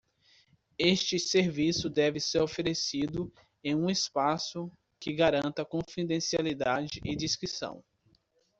Este serviço deve ser oferecido em um espaço que garanta confidencialidade e discrição.